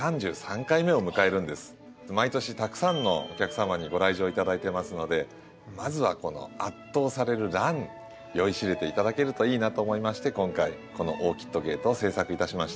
毎年たくさんのお客様にご来場頂いてますのでまずはこの圧倒されるラン酔いしれて頂けるといいなと思いまして今回この「オーキット・ゲート」を制作いたしました。